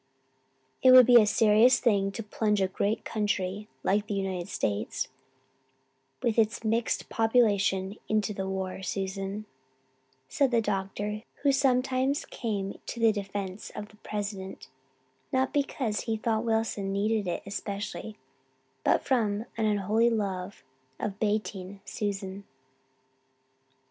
"It would be a serious thing to plunge a great country like the United States, with its mixed population, into the war, Susan," said the doctor, who sometimes came to the defence of the President, not because he thought Wilson needed it especially, but from an unholy love of baiting Susan.